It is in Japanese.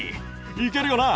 いけるよな？